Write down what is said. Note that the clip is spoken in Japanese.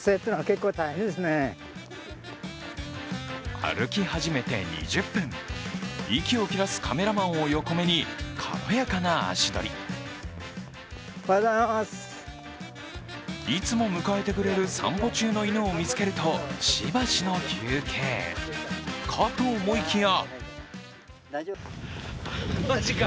歩き始めて２０分、息を切らすカメラマンを横目にいつも迎えてくれる散歩中の犬を見つけるとしばしの休憩かと思いきや。